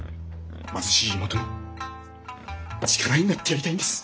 貧しい妹の力になってやりたいんです！